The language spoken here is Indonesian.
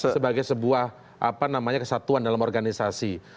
sebagai sebuah kesatuan dalam organisasi